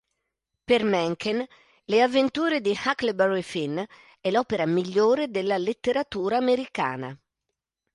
Per Mencken, "Le avventure di Huckleberry Finn" è l'opera migliore della letteratura americana.